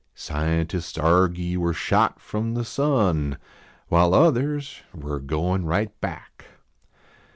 Scientists argy we re shot from the sun. While others we re goin right back.